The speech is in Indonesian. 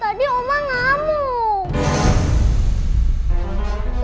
tadi oma ngamuk